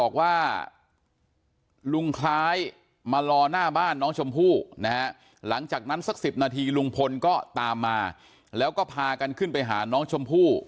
เขาก็ตามมาแล้วก็พากันขึ้นไปหาน้องชมพู่